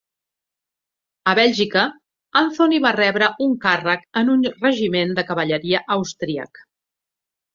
A Bèlgica, Anthony va rebre un càrrec en un regiment de cavalleria austríac.